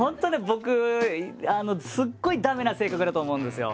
僕すごい駄目な性格だと思うんですよ。